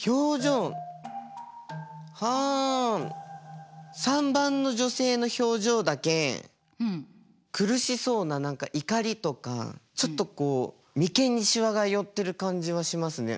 あ３番の女性の表情だけ苦しそうな何か怒りとかちょっとこう眉間にしわが寄ってる感じはしますね。